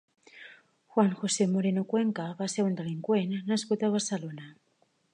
Juan José Moreno Cuenca va ser un delinqüent nascut a Barcelona.